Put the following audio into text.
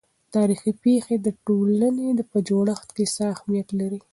تاريخي پېښې د ټولنې په جوړښت کې څه اهمیت لري؟